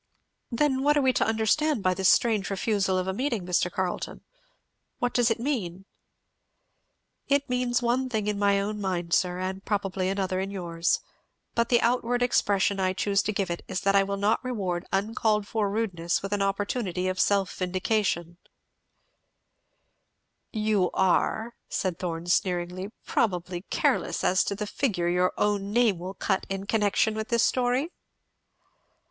"Then what are we to understand by this strange refusal of a meeting, Mr. Carleton? what does it mean?" "It means one thing in my own mind, sir, and probably another in yours; but the outward expression I choose to give it is that I will not reward uncalled for rudeness with an opportunity of self vindication." "You are," said Thorn sneeringly, "probably careless as to the figure your own name will cut in connection with this story?"